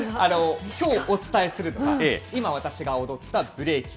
きょう、お伝えするのは、今私が踊ったブレイキン。